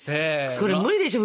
それ無理でしょ。